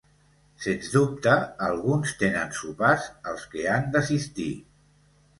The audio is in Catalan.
Sens dubte, alguns tenen sopars als que han d'assistir.